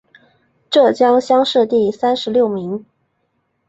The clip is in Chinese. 浙江乡试第三十六名。